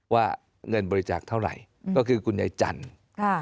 ว่าเงินบริจาคเท่าไหร่ก็คือคุณยายจันทร์ค่ะ